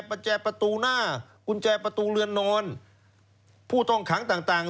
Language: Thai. ประแจประตูหน้ากุญแจประตูเรือนนอนผู้ต้องขังต่างต่าง